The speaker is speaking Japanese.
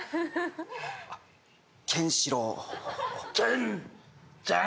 あっケンシロウケンちゃん